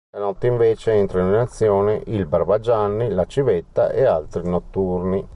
La notte, invece, entrano in azione il barbagianni, la civetta e gli altri notturni.